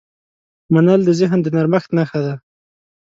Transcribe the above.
منل د ذهن د نرمښت نښه ده.